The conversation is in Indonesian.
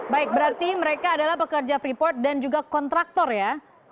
baik berarti mereka adalah pekerja freeport dan juga kontraktor ya